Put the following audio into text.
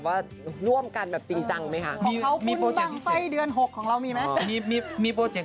เพราะว่าใจแอบในเจ้า